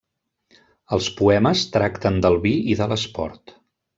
Els poemes tracten del vi i de l'esport.